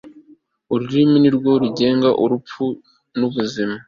ururimi ni rwo rugenga urupfu n'ubuzima